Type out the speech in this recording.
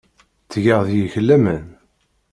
Ttgeɣ deg-k laman.